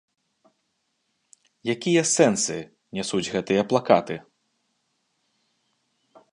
Якія сэнсы нясуць гэтыя плакаты?